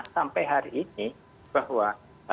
sampai hari ini bahwa